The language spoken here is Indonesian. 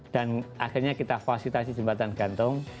dan akhirnya kita fasilitasi jembatan gantung